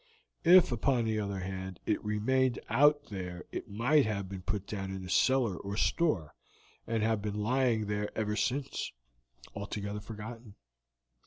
If, upon the other hand, it remained out there it might have been put down in a cellar or store, and have been lying there ever since, altogether forgotten."